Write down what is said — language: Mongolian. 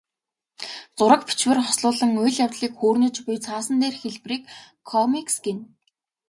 Зураг, бичвэр хослуулан үйл явдлыг хүүрнэж буй цаасан дээрх хэлбэрийг комикс гэнэ.